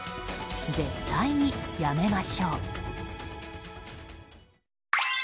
絶対にやめましょう。